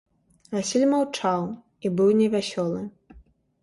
Васіль маўчаў і быў невясёлы.